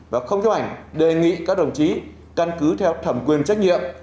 và không chấp hành đề nghị các đồng chí căn cứ theo thẩm quyền trách nhiệm